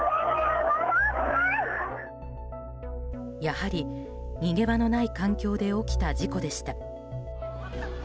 やはり、逃げ場のない環境で起きた事故でした。